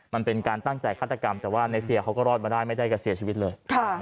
มันเป็นการตั้งใจฆาตกรรมแต่ว่าในเฟียเขาก็รอดมาได้ไม่ได้กับเสียชีวิตเลย